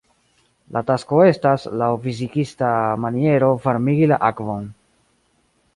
La tasko estas, laŭ fizikista maniero varmigi la akvon.